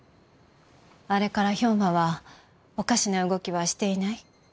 あれから兵馬はおかしな動きはしていない？